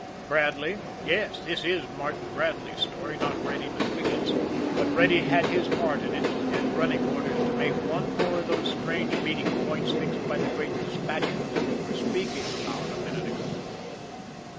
Bradley? Yes; this is Martin Bradley's story not Reddy MacQuigan's. But Reddy had his part in it had running orders to make one more of those strange meeting points fixed by the Great Despatcher that we were speaking about a minute ago.